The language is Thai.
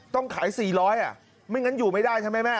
ต้องขาย๔๐๐บาทไม่งั้นอยู่ไม่ได้ใช่ไหมแม่